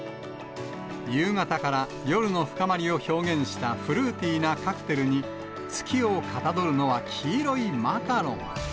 夕方から夜の深まりを表現したフルーティーなカクテルに、月をかたどるのは黄色いマカロン。